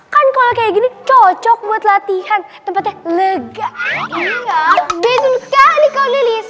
kan kalau kayak gini cocok buat latihan tempatnya lega